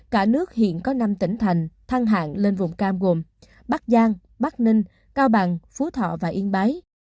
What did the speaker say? cả nước hiện có năm tỉnh thành thăng hạng lên vùng cam gồm bắc giang bắc ninh cao bằng phú thọ và yên bái